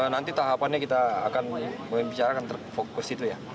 nanti tahapannya kita akan membicarakan fokus itu ya